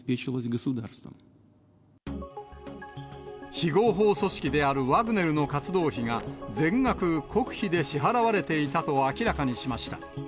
非合法組織であるワグネルの活動費が、全額国費で支払われていたと明らかにしました。